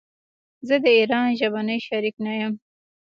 زه د ايران ژبني شريک نه يم.